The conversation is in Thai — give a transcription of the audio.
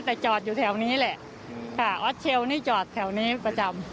แต่จอดอยู่แถวนี้แหละค่ะออสเชลนี่จอดแถวนี้ประจำ